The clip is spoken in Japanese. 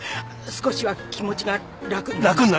少しは気持ちが楽になりました。